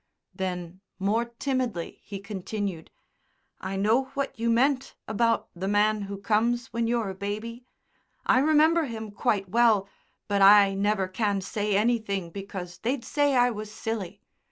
Then more timidly he continued: "I know what you meant about the man who comes when you're a baby. I remember him quite well, but I never can say anything because they'd say I was silly.